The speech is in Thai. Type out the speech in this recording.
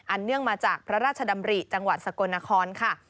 เนื่องมาจากพระราชดำริจังหวัดสกลนครค่ะ